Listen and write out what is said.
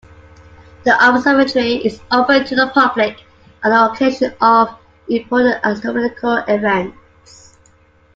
The observatory is open to the public on the occasion of important astronomical events.